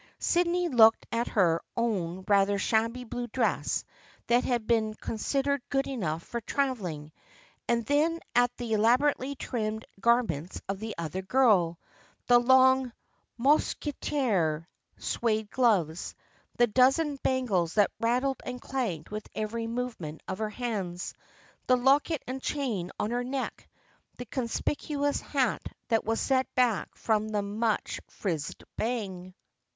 Sydney looked at her own rather shabby blue dress that had been con sidered good enough for traveling, and then at the elaborately trimmed garments of the other girl, — the long " mousquetaire " suede gloves, the dozen bangles that rattled and clanked with every move ment of her hands, the locket and chain on her neck, the conspicuous hat that was set back from the much frizzed bang.